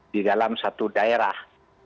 di dalam satu daerah